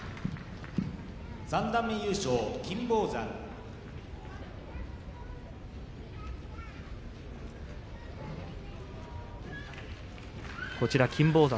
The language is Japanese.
三段目優勝金峰山。